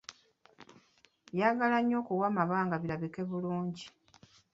Byagala nnyo okuwa amabanga birabike bulungi.